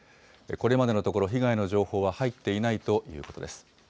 これまでのところ、被害の情報は入っていないということです。